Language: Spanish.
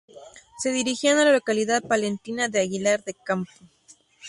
Se dirigían a la localidad palentina de Aguilar de Campoo.